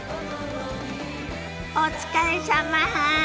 お疲れさま。